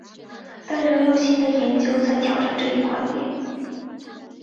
但仍有新的研究在挑战这一观点。